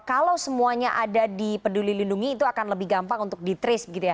kalau semuanya ada di peduli lindungi itu akan lebih gampang untuk ditris gitu ya